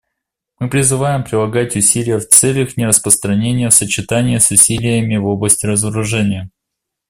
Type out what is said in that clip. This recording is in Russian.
Мы призываем прилагать усилия в целях нераспространения в сочетании с усилиями в области разоружения.